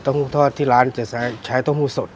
เตาหู้ทอดที่ร้านจะใช้เตาหู้สด